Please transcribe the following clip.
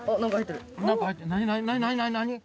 何何何？